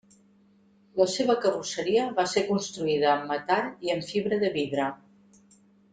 La seva carrosseria va ser construïda amb metall i amb fibra de vidre.